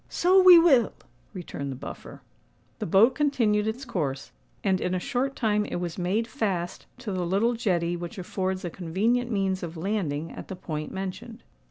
"So we will," returned the Buffer. The boat continued its course; and in a short time it was made fast to the little jetty which affords a convenient means of landing at the point mentioned.